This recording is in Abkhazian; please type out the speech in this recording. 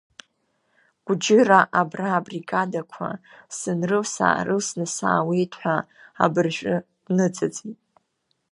Гәџьыра абра абригадақәа сынрылс-аарылсны сааиуеит ҳәа абыржәы дныҵыҵит…